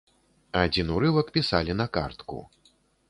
Адзін урывак пісалі на картку.